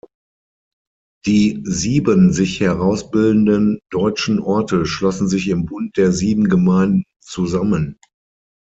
Die sieben sich herausbildenden deutschen Orte schlossen sich im Bund der Sieben Gemeinden zusammen.